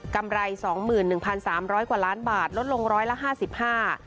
ไรสองหมื่นหนึ่งพันสามร้อยกว่าล้านบาทลดลงร้อยละห้าสิบห้า